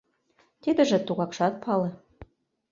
Тидыже тугакшат пале.